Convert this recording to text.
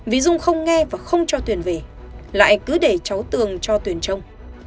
vì dung không nghe và không cho tuyền về lại cứ để cháu tường cho tuyền trông